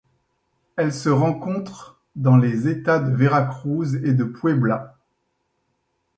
Elle se rencontre dans les États de Veracruz et de Puebla.